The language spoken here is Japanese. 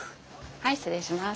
はい失礼します。